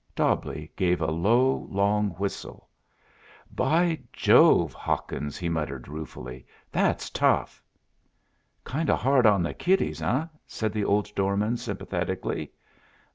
Dobbleigh gave a long, low whistle. "By Jove, Hawkins," he muttered ruefully. "That's tough." "Kind o' hard on the kiddies, eh?" said the old doorman sympathetically.